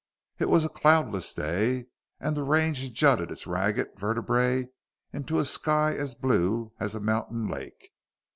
It was a cloudless day, and the range jutted its ragged vertebrae into a sky as blue as a mountain lake.